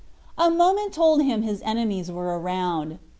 A moment told him enemies were around.